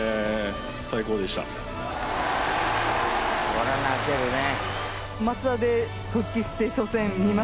「これは泣けるね」